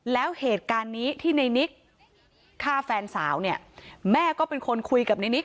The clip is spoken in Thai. แล้วเหตุการณ์นี้ที่ในนิกฆ่าแฟนสาวเนี่ยแม่ก็เป็นคนคุยกับในนิก